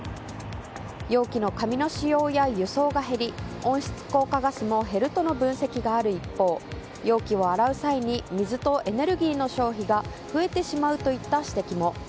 容器の紙の使用や輸送が減り温室効果ガスも減るとの分析がある一方容器を洗う際に水とエネルギーの消費が増えてしまうといった指摘も。